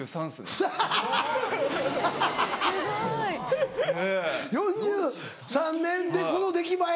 ・すごい・４３年でこの出来栄え？